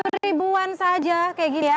ribuan saja kayak gini ya